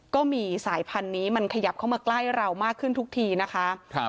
ก็มีสายพันธุ์นี้มันขยับเข้ามาใกล้เรามากขึ้นทุกทีนะคะ